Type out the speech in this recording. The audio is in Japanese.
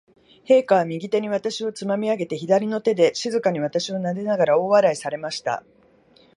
陛下は、右手に私をつまみ上げて、左の手で静かに私をなでながら、大笑いされました。